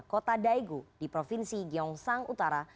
kota daegu di provinsi gyeongsang utara